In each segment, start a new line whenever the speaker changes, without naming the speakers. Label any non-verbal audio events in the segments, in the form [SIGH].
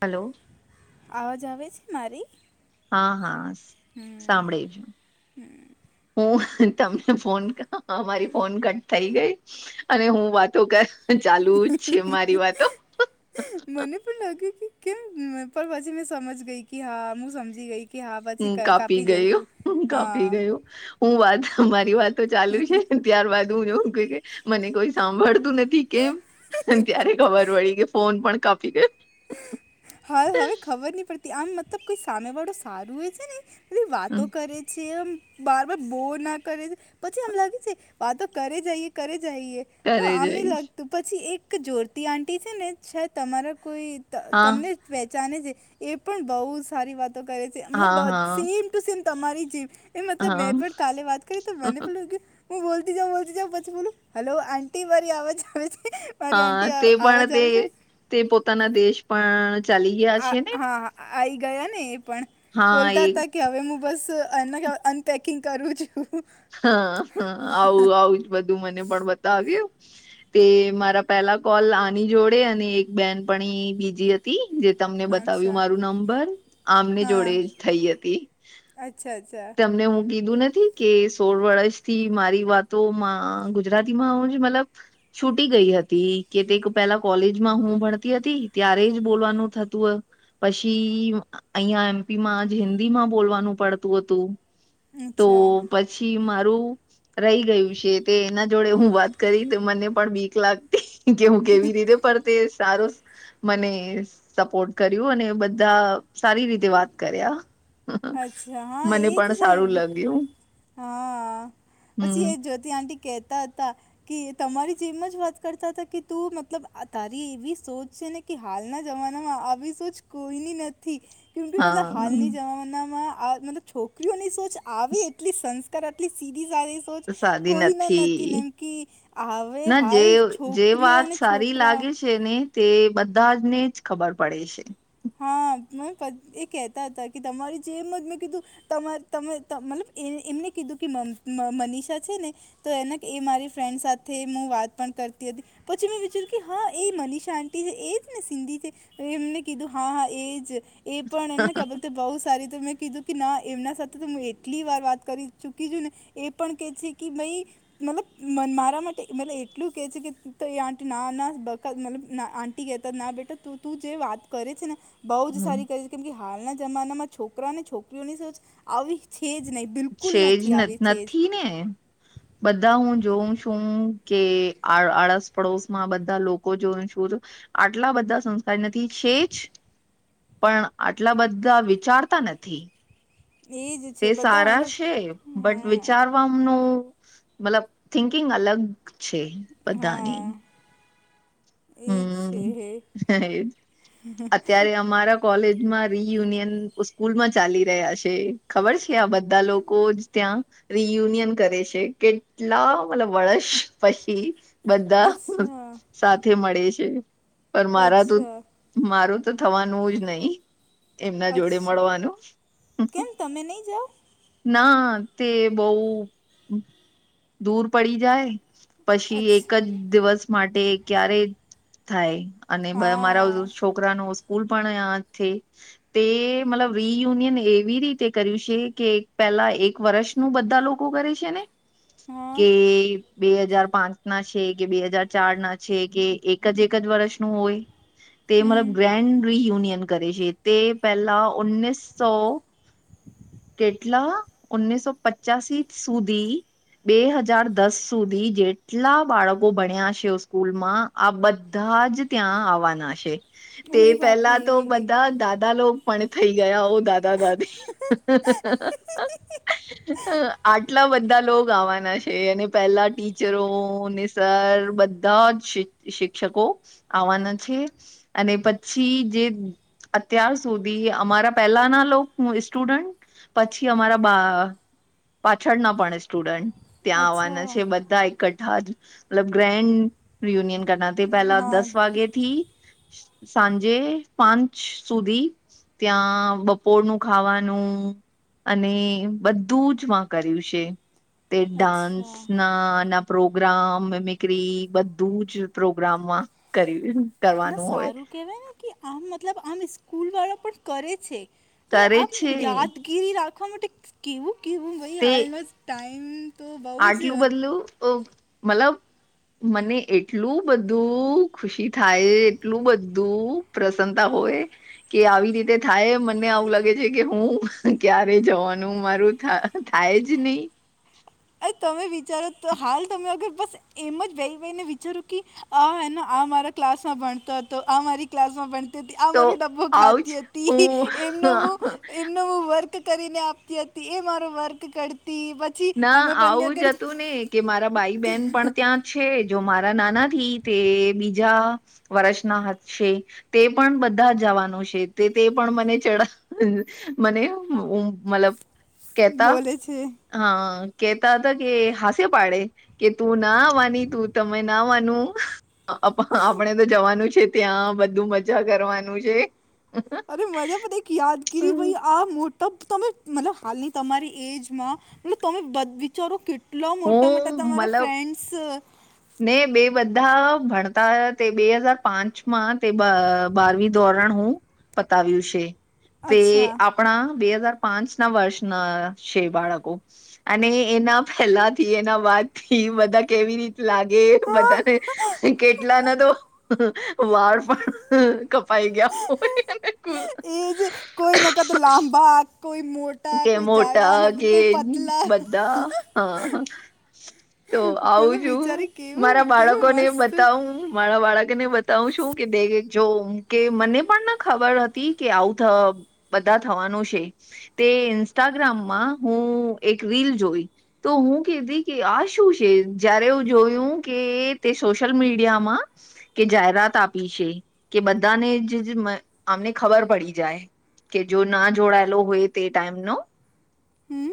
Hello.
અવાજ આવે છે, મારી.
હા હા સાંભળી [UNINTELLIGIBLE] હું તમને ફોન અમારી ફોન કટ થઈ ગઈ. અને હું વાતો કર ચાલુ જ છે, મારી વાતો.
મને પણ લાગ્યું કે કેમ પણ પછી મેં સમજ ગઈ કે હા હું સમજી ગઈ. કે હા પછી
[UNINTELLIGIBLE]
ક-
કાપી
જશે
ગયું હ કાપી
હા
ગયું હું વાત મારી વાતો ચાલુ છે. ત્યારબાદ હું એવું ક કે મને કોઈ સાંભળતું નથી કેમ. ત્યારે ખબર પડી કે ફોન પણ કાપી [UNINTELLIGIBLE]
હા હવે ખબર નહી પડતી આમ મતલબ કોઈ સામે વાળો સારું હો છે, ને. બધી વાતો કરે છે, એમ બાર બાર બોર ના કરે છે, પછી એમ લાગે છે, વાતો કરે જઈએ કરે જઈએ. હ
ઘરે
આને
જઈશ
લાગતું પછી એક જોરતી આટી છે, ને તમારા કોઈ.
હા
તમને [UNINTELLIGIBLE] છે, એ પણ બહુ સારી વાતો કરે છે,
હા હા
મતલબ [UNINTELLIGIBLE] [UNINTELLIGIBLE] તમારી [UNINTELLIGIBLE] મતલબ
હા
મેં પણ કાલે વાત કરી તો મને [UNINTELLIGIBLE] હું બોલતી જાઉં બોલતી જાઉં પછી બોલું હેલો [UNINTELLIGIBLE] મારી આવાજ આવે છે. મારી
હા
આંટી
તે પણ
આવાજ
તે
આવે છે
તે પોતાના દેશ પણ. ચાલી ગયા
આ
છે ને
હા આવીઈ ગયા ને એ પણ
હા
બોલતા
એક
હતા. કે હવે હું બસ [UNINTELLIGIBLE] અનપેકિંગ કરું છું.
હા હ આવું આવું જ બધું મને પણ બતાવ્યું. તે મારા પેલા કોલ આની જોડે અને એક બેન પણ બીજી હતી જે. તમને બતાવ્યું
અચ્છા
મારું નંબર આમને
હા
જોડે જ થઈ હતી.
અચ્છા અચ્છા.
તમને હું કીધું નથી કે સોળ [UNINTELLIGIBLE] મારી વાતોમાં ગુજરાતીમાં હું જ મતલબ. છૂટી ગઈ હતી કે તે પેલા કોલેજમાં હું ભણતી હતી ત્યારે જ બોલવાનું થતું. પછી અહિયાં એમપી માં જ હિન્દી માં બોલવાનું પડતું હતું. તો
અચ્છા
પછી મારું. રહી ગયું છે, તે એના જોડે હું વાત કરી મને પણ બીક લાગતી. [UNINTELLIGIBLE] કેવું કેવી રીધે પણ તે સારો. મને સપોર્ટ કર્યું અને બધા સારી રીતે વાત કર્યા.
અચ્છા હા
મને
એજ
પણ
છે,
સારું લાગ્યું
હા પછી
હમ
એ જો. તે આંટી કહેતા હતા. કે તમારી જેમ જ વાત કરતા હતા કે તું મતલબ તારી એવી સોચ છે, ને. કે હાલના જમાનામાં આવી સોચ કોઈની નથી. કેમ કે મતલબ
હા
હાલની જમાનામાં આ મતલબ છોકરીઓની સોચ આવે એટલી સં [UNINTELLIGIBLE] આટલી [UNINTELLIGIBLE] તો જ કોઈ [UNINTELLIGIBLE] નથી એમકી હવે
ના જે
હાલ
જે
છોકરીઓ
વાત
અને
સારી
છોકરા.
લાગે છે, ને તે બધાજ ને જ ખબર પડે છે.
હા મે [UNINTELLIGIBLE] કેહેતા હતા કે તમારી જેમ જ મેં કીધું. તમા તમે મતલબ એમને કીધું કે મનીષા છે ને- તો એના એ મારી ફ્રેન્ડ સાથે હું વાત પણ કરતી હતી- પછી મેં વિચાર્યું હા એ મનીષા આંટી છે એ ને સિંધી છે. એમને- કીધું હા હા એજ એ પણ એમને- તો બહુ સારી તો મેં કીધું કે ના એમના સાથે તો હું એટલી વાર વાત કરી ચૂકી છું ને- એ પણ કે છે કે ભાઈ- મતલબ મારા માટે મત એટલું કેહે છે કે એ આંટી ના ના બકત મલબ આ- ગતા ના બેટા તું જે વાત કરે છે ને બઉ જ સારી ક- કેમ કે હાલના જમાનામાં છોકરા અને છોકરીઓની સ આવી છે જ નહીં- બિલકુલ
છેજ
નથી આવી છે
નથી ને- બધા હું જોઉં છું કે આ આળસપડોશ માં બધા લોકો જોયું છું. આટલા બધા સંસ્કાર નથી છે જ- પણ આટલા બધા વિચારતા નથી-
જ એ જ છે
તે
બધા
સારા
મતલબ
છે બટ
હા
વિચાર- મલબ થિંકિંગ અલગ છે
હા
બધાની-
એ જ છે
હમ અત્યારે અમારા- કોલેજમાં રિયુનિયન સ્કૂલમાં ચાલી રહ્યા છે ખબર છે આ બધા લોકો જ ત્યાં- રિયુનિયન કરે છે કેટલા મતલબ વર્ષ પછી- બધા-
અચ્છા
સાથે મળે છે પણ મારા તો
અચ્છા
મારું તો થવાનું જ નહી- એમના જોડે
અચ્છા
મળવાનું-
કેમ તમે નહીં જાઓ
ના તે બહ દૂર પડી જાય- પછી એક
અચ્છા
જ દિવસ માટે ક્યારે થાય અને
હા
મારા- છોકરાનો સ્કૂલ પણ્યાથી- તે મતલબ રિયુનિયન એવી રીતે કર્યું છે કે પેલા એક વર્ષ- શું બધા લોકો કરે છે ને-
હા
કે બે હજાર પાંચ ના છે કે બે હજાર ચાર ના છે. કે એક જ એક જ વર્ષનુંું હોય તે મતલબ
હમ
ગ્રેન્ડ રિયુનિયન- કરે છે તે પહેલા ઉનીસસો- કેટલા ઓનીસસો પચાસી સુધી- બે હજાર દસ સુધી જેટલા બાળકો ભણ્યા છે સ્કૂલમાં- આ બધા જ ત્યાં આવવાના હ છે. તે
અરે બાપરે
પેલા તો બધા દાદા લો પણ થઈ ગયા હો દાદા દાદી- હ
એક-
આટલા બધા લોકો આવવાના છે અને પેલા ટીચરોને- સર બધા જ શિક્ષકો આવવાના છે. અને પછી જે અત્યાર સુધી અમારા પહેલા ના લો હું- સ્ટુડન્ટ પછી અમારા બા પાછળના પણ સ્ટુડન્ટ- ત્યાં આવવાના
અચ્છા
છે બધા એકઠા જ મતલબ ગ્રેન્ડ- રિયુનિયન કરના તે પેલા
હા
દસ વાગેથી- સાંજે પાંચ સુધી ત્યાં બપોરનું ખાવાનું- અને બધું જ માં કર્યું છે. તે ડાન્સ
અચ્છા
ના ના- પ્રોગ્રામ મેમિકરી બધું જ પ્રોગ્રામમાં કર્યું-
ના
કરવાનું હોય
સારું કહેવાય ને કે આમ મતલબ આમ સ્કૂલ વાળો પણ કરે છે. મલબ
કરે
આ
છે
યાદગીરી રાખવા માટે કેવું કેવું ભાઈ
તે
હાલનો ટાઈમ- તો બહુ જ
આટલું બધલું મતલબ મને એટલું બધું- ખુશી થાય એટલું બધું પ્રસન્નતા હોય કે આવી રીતે થાય મને- તમને આવું લાગે છે કે હું ક્યારે જવાનું મારું થાય જ નહી-
અ તમે વિચારો તો હાલ તમે અગર બસ એમ જ વાઈ ભાઈને વિચારો કે અ એનો આ મારા ક્લાસ માં ભણતો હતો આ મારી ક્લાસ માં ભણ આ
તો
મારો ડબ્બો
આવું જ
ખાતી હતી
હું
એમનો હું એમનો હું વર્ક કરીને આપતી હતી એ મારો વર્ક કરતી પછી
ના
અમે બંને
આવું જ
અગર
હતું ને કે મારા ભાઈ બેહેન પણ ત્યાં છે જો મારા નાના થી તે બીજા વર્ષના હશે તે પણ બધા જવાનું છે તે તે પણ મને ચ મને મતલબ કેતા
બોલે છે.
હા કેતા હતા કે હાસ્ય પાડે. કે તું નાવાની તું તમે નાવાનું. આપણે તો જવાનું છે ત્યાં બધું મજા કરવાનું છે.
અરે મબ પ એક યાદગીરી આ મોટી તો તમે મતલબ હાલની તમારી એજમાં મલ તમે વિચારો કેટ કેટલા મોટા
હું
મોટા તમારા
મતલબ
ફ્રેન્ડ્સ
ને બે બધા ભણતા તે બે હજાર પાંચ માં તે બ બારમી ધોરણ હું પતાવ્યું છે તે
અચ્છા
આપ આપણા બે હજાર પાંચ ના વર્ષના છે બાળકો. અને એના પેલા થી એના બાદ થી બધા કેવી રીતે લાગે
હા
બધાને કેટલા ના તો વાળ પણ પાઈ ગયા.
એ જ કોઈ નકા તો લાંબા કોઈ મોટ
કે મોટા કે બધા અ તો આવું
મતલબ
છું
વિચારી કેવું
મારા
કેવું
બાળકો ને
મસ્ત
બતાવું મારા બાળક ને બતા તો હું શું કે દે જો કે મને પણ ના ખબર હતી કે આવું થ બધા થવાનું છે તે ઇન્સ્ટાગ્રામમાં હું એક રીલ જોઈ તો હું કતી કે આ શું છે જયારે હું જોયું કે તે સોશિયલ મીડિયામાં કે જાહેરાત આપી છે કે બધાને જ આમને ખબર પડી જાય. કે જો ના જોડાયેલો હોય તે ટાઈમનો
હમ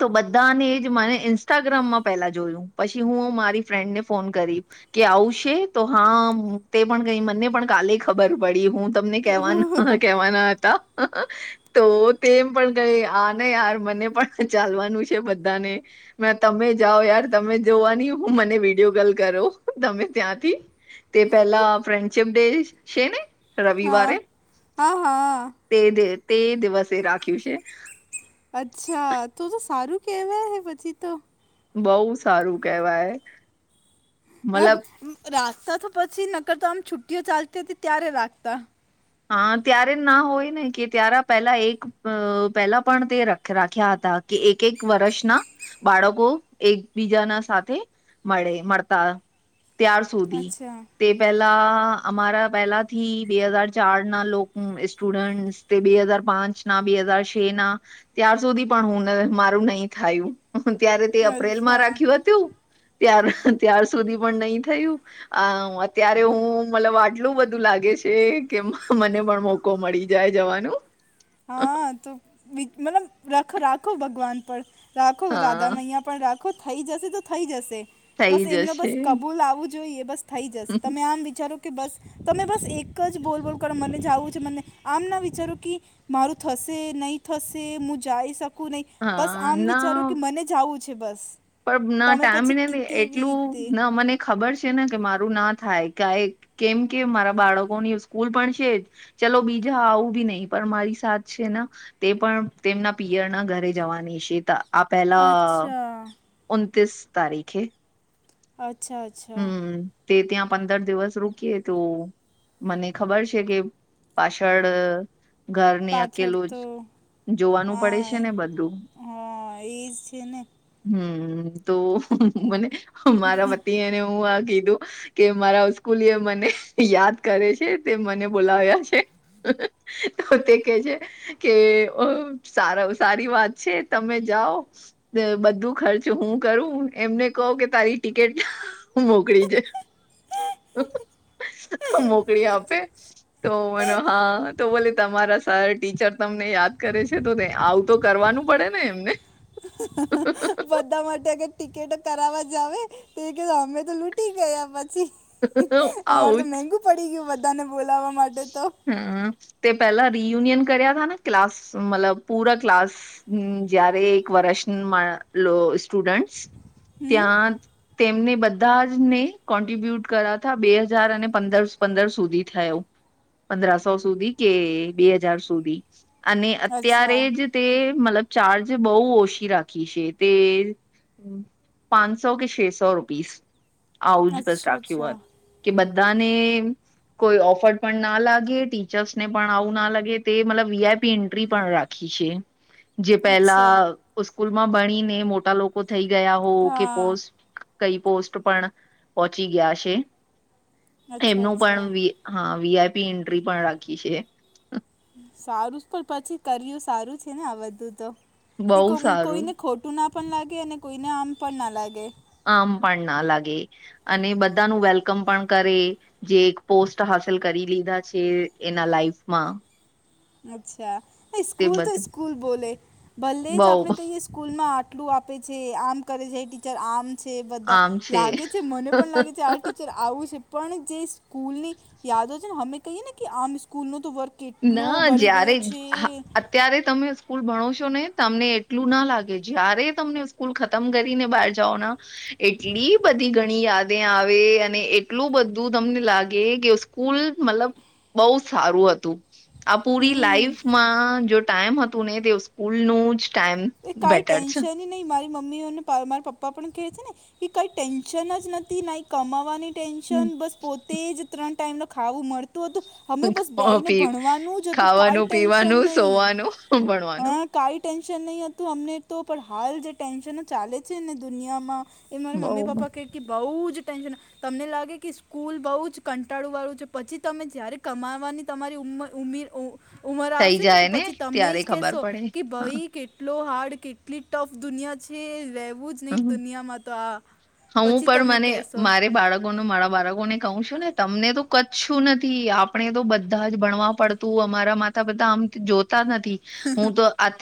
તો બધાને એ જ મને ઇન્સ્ટાગ્રામમાં પેલા જોયું પછી હું મારી ફ્રેન્ડને ફોન કરી, કે આવશે તો હા તે પણ કઈ મને પણ કાલે ખબર પડી હું તમને કેવા
ઓહ,
કેવાના હતા. તો તેમ પણ કહી આ ન યાર મને પણ ચાલવાનું છે બધાને. તમે જાઓ યાર તમે જોવા ની હું મને વિડીયો કોલ કરો તમે ત્યાંથી. તે પેહેલા ફ્રેન્ડશિપ ડે છે ને.
હા
રવિવારે
હા હા
તે દ તે દિવસે રાખ્યું છે.
અચ્છા તો તો સારું કેવા હે પછી તો.
બહું સારું કેહેવાય.
રાખતા તો પછી નકર તો આમ છુટ્ટીઓ ચાલતી હતી ત્યારે રાખતા.
હા ત્યારે ના હોય ને કે ત્યારે પહેલા એક પહેલા પણ તે રાખ્યા હતા. કે એક એક વર્ષના બાળકો એકબીજાના સાથે મળે મળતા. ત્યાર સુધી
અચ્છા
તે પેલા અમારા પહેલાથી બે હજાર ચાર ના લોક સ્ટુડન્ટ તે બે હજાર પાંચ ના બે હજાર છે ના. ત્યાાર સુધી પણ હું ને મારું નહી થયું. હું ત્યારે તે અપ્રેલ માં
અચ્છા
રાખ્યું હતું ત ત્યાર સુધી પણ નહી થયું. અ અત્યારે હું મને આટલું બધું લાગે છે. કે મને પણ મોકો મળી જાય જવાનું.
હા તો મતલબ રાખ રાખો ભગવાન પર રાખો રાદા
હા
મૈયા રાો થઈ જશે તો થઈ જશે
થઈ
બસ એમને
જશે
બસ કબૂલ આવું જોઈએ બસ થઈ જશે તમે આમ વિચારો બસ તમે બસ એક જ બોલ બોલ કરો મને જવું છે મને આમ ના વિચારો કે મારું થશે નહીં થશે હું જઈ શકું નહીં બસ
હા
આમ
ના
વિચારો કે મને જવું છે બસ
પણ ના
તમે પછી
ટાઈમ
કે- કેવી
એટલું
રીતે
ના મને ખબર છે ને કે મારું ના થાય ક કેમ કેમ મારા બાળકોની સ્કૂલ પણ છે જ ચલો બીજા આવું બી નહી પણ મારી સાત છે ને તે પણ તેમના પિયરના ઘરે જવાની છે આ પેલા
અચ્છા
ઉતીસ તારીખે
અચ્છા અ
હમ્મ તે ત્યાં પંદર દિવસ રૂકીયએ તો મને ખબર છે કે પાછળ ઘરને
પાછળ
અકેલું
તો
જ જોવાનું પડે
હા
છે ને બધું
હા એજ છે ને
હમ્મ તો મને મારા પતિને હું આ કીધું કે મારા સ્કૂલી એ મને યાદ કરે છે તે મને બોલાવ્યા છે [INAUDIBLE] તો તે કે છે કે સાર સારી વાત છે તમે જાઓ બધું ખર્ચ હું કરું એમને કહું કે તારી ટિકિટ મોકલી જ મોકલી આપે તો મનો હા તો બોલે તમારા સા ટીચર તમને યાદ કરે છે તો આઉટ તો કરવાનું પડે ને એમને
બધા માટે ટિકિટ કરાવવા જ આવે તો કે અમે તો લૂટી ગયા પછી
આવું જ
ટી ગયું બધાને બોલાવવા માટે તો
હમ્મ તે પેલા રિયુનિયન કર્યા થા ક્લાસ મતલબ પૂરા ક્લાસ હ જયારે એક વર્ષ મા લો સ્ટુડન્ટસ
હમ
ત્યાં તેમને બધા જ ને કોન્ટ્રિબ્યુટ કરાતા બે હજાર અને પંદર પંદર સુધી થયો પંદ્રસો સુધી કે બે હજાર સુધી અને
અચ્છા
અત્યારે જ તે મતલબ ચાર્જ બહુ ઓછી રાખી છે તે પાંચસો કે છેસો રૂપીસ આવુંજ બસ
અચ્છા
રાખ્યું
અચ્છા
વાત કે બધાને કોઈ ઓફર પણ ના લાગે ટીચર્સ ને પણ આવું ના લાગે તે મતલબ વીઆઈપી એન્ટ્રી પણ રાખી છે
[INAUDIBLE]
જે પેલા
અચ્છા
સ્કૂલમાં ભણીને મોટા લોકો થઈ ગયા હો કે
હા
પોસ્ટ કઈ પોસ્ટ પણ પહોચી ગયા છે
અચ્છા
એમનું
અચ્છા
પણા વીઆઈપી એન્ટ્રી પણ રાખી છે
સારું જ પણ પછી કર્યું સારું છે ને આ બધું તો એ
બહુ સારું
કોઈને ખોટું ના પણ લાગે અને કોઈને આમ પણ ના લાગે
આમ પણ ના લાગે અને બધાનું વેલકમ પણ કરે જે એક પોસ્ટ હાસલ કરી લીધા છે એના લાઈફમાં
અચ્છા
તે
સ્કૂલ તો
બધું
સ્કૂલ બોલે ભલ્લે
બઉ
જ આપને કહીએ સ્કૂલમાં આટલું આપે છે આમ કરે છે ટીચર આમ છે એ બધા લાગે છે મને પણ લાગે છે આ ટીચર આવું છે પણ જે સ્કૂલ ની યાદો છે ને અમે કહીએ ને કે આમ સ્કૂલ ન તો વર્ક કેટ
ના જ્યારે અ ત્યારે તમે સ્કૂલ ભણો છો ને તમને એટલું ના લાગે જય્યારે તમને સ્કૂલ ખતમ કરી ને બહાર જાઓના એટલી બધી ઘણી યાદે આવે અને એટલું બધું તમને લાગે કે. સ્કૂલ મતલબ બહુ સારું હતું. આ પૂરી
હમ
લાઈફમાં જો ટાઈમ હતું ને તે સ્કૂલ નુજ.
એ કાઈ ટેન્શન. ને નઇ મારી મમ્મીઓ ને પ મારા પપ્પા પણ કે છે ને કઈ ટેન્શન જ નથી ના કમાવાની
હમ,
ટેન્શન બસ પોતે જ ત્રણ ટાઈમ નુ ખાવું મળ. તુ હતુ અમે બસ
ખાવા
બેને
પી
ભણવાનું જ હતું કાઈ
ખાવાનું
ટેન્શન
પીવાનું
નહી
સોવાનું
હ.
ભણવાનું
કાઈ ટેન્શન નહીં હતું અમને તો પણ હાલ જે ટેન્શનો ચાલે છે ને દુનિયામાં એ મારા મમ્મી
બઉ
પપ્પા કે બઉ જ ટેન્શન તમને લાગે કે સ્કૂલ બહુ જ કંટાળુ વાળું છે પછી તમે જયારે કમાવાની તમારી ઉમર ઉમીર ઉ ઉમર
થઈ
આવશે ને તો
જાય
પછી તમે
ત્યારે
જ
ખબર
કહેશો
પડે
કે
હા
ભાઈ એટલો હાર્ડ કેટલી ટફ દુનિયા છે રહેેવું જ.
હમ
દુનિયામાં તો આ
હું
પછી
પણ
તમે
મને
કહેશો
મારે બાળકોને મારા બાળકો ને કહ છું ને તમને તો કચછું નથી આપણે તો બધા જ ભણવા પડ. તું અમારા માતા પિતા આમ જોતા નથી હું તો આતે.